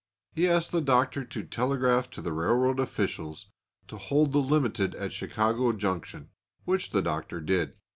He asked the Doctor to telegraph to the railroad officials to hold the limited at Chicago Junction, which the Doctor did.